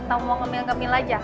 atau mau ngemil ngemil aja